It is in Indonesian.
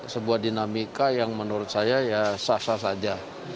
sebuah dinamika yang menurut saya ya sah sah saja